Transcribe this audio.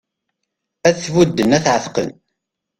Ad t-budden ad t-εetqen